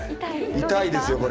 痛いですよこれ。